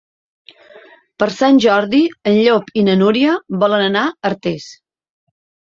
Per Sant Jordi en Llop i na Núria volen anar a Artés.